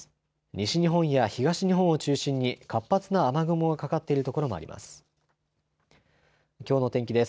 西日本や東日本を中心に活発な雨雲がかかっている所もあります。